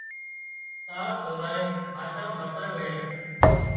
تار سورانئين کاشان مرسان وينڻيان